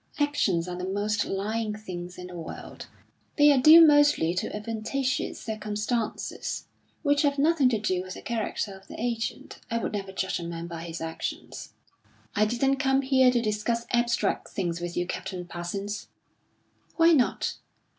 "Actions are the most lying things in the world. They are due mostly to adventitious circumstances which have nothing to do with the character of the agent. I would never judge a man by his actions." "I didn't come here to discuss abstract things with you, Captain Parsons." "Why not?